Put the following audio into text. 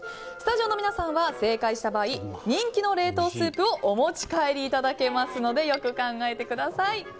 スタジオの皆さんは正解した場合人気の冷凍スープをお持ち帰りいただけますのでよく考えてください。